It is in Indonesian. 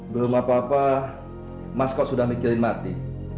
belum apa apa mas kok sudah mikirin mati